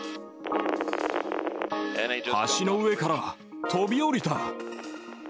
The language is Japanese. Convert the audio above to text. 橋の上から飛び降りた！